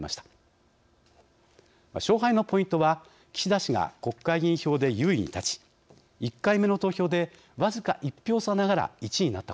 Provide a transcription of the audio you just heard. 勝敗のポイントは岸田氏が国会議員票で優位に立ち１回目の投票で僅か１票差ながら１位になったことです。